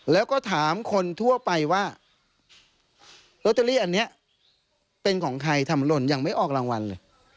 แล้วก็ถามคนทั่วไปว่าลอตเตอรี่อันนี้เป็นของใครทำหล่นยังไม่ออกรางวัลเลย